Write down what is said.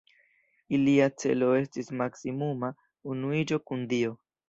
Ilia celo estis maksimuma unuiĝo kun Dio.